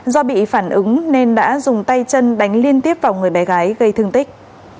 do bị phản ứng nên đã dùng tay chân đánh liên tiếp vào người bé gái gây thương tích